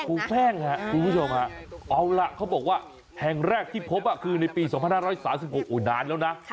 หูแป้งครับคุณผู้ชมฮะเอาล่ะเขาบอกว่าแห่งแรกที่พบคือในปี๒๕๓๖นานแล้วนะ